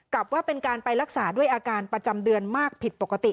ว่าเป็นการไปรักษาด้วยอาการประจำเดือนมากผิดปกติ